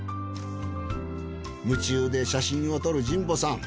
夢中で写真を撮る神保さん。